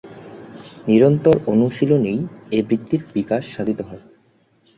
নিরন্তর অনুশীলনেই এ বৃত্তির বিকাশ সাধিত হয়।